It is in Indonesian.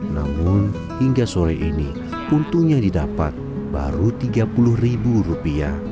namun hingga sore ini untung yang didapat baru rp tiga puluh